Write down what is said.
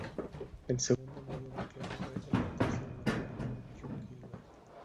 El segundo marido de Claire fue el actor cinematográfico John Gilbert.